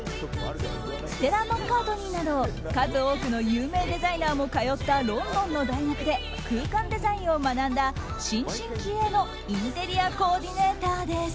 ステラ・マッカートニーなど数多くの有名デザイナーも通ったロンドンの大学で空間デザインを学んだ新進気鋭のインテリアコーディネーターです。